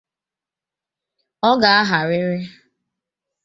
Ọ gagharịrị